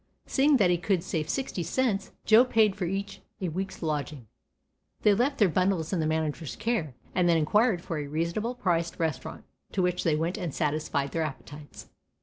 Seeing that he could save sixty cents, Joe paid for each a week's lodging. They left their bundles in the manager's care, and then inquired for a reasonable priced restaurant, to which they went and satisfied their appetites.